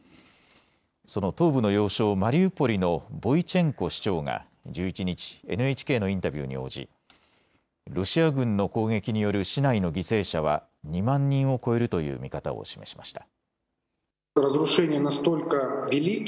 その東部の要衝マリウポリのボイチェンコ市長が１１日、ＮＨＫのインタビューに応じロシア軍の攻撃による市内の犠牲者は２万人を超えるという見方を示しました。